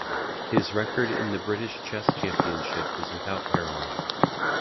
His record in the British Chess Championship is without parallel.